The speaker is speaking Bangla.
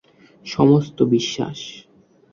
সমস্ত বিশ্বাস।